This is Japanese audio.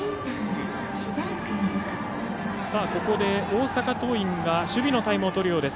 ここで大阪桐蔭は守備のタイムをとるようです。